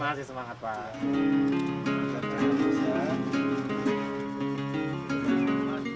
masih semangat pak